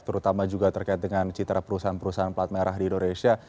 terutama juga terkait dengan citra perusahaan perusahaan plat merah di indonesia